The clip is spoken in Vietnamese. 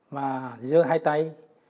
và dơ hai tay